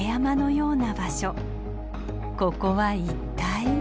ここは一体？